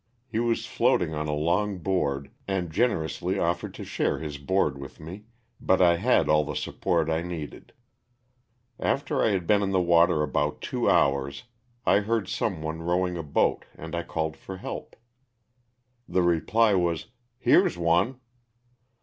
He was floating on a long board and generously offered to share his board with me, but I had all the support I needed. After I had been in the water about two hours, I heard some one rowing a boat and I called for help. The reply was '^Here's one."